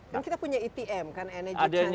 dan kita punya etm kan energy transition mechanism